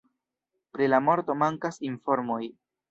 Pri la morto mankas informoj.